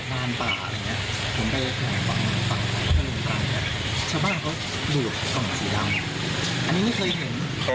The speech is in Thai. มันเป็นแบบนี้ใช่ไหมครับ